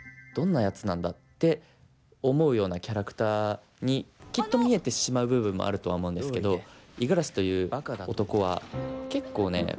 どんなやつなんだ」って思うようなキャラクターにきっと見えてしまう部分もあるとは思うんですけど五十嵐という男は結構ね